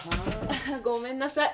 ごめんなさい。